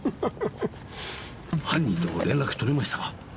犯人と連絡取れましたか？